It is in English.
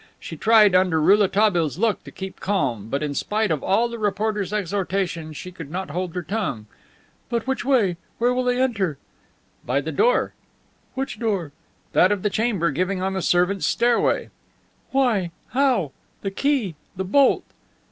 She tried, under Rouletabille's look, to keep calm, but in spite of all the reporter's exhortations she could not hold her tongue. "But which way? Where will they enter?" "By the door." "Which door?" "That of the chamber giving on the servants' stair way." "Why, how? The key! The bolt!"